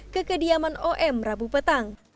ke kediaman om rabu petang